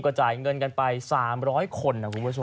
จ่ายเงินกันไป๓๐๐คนนะคุณผู้ชม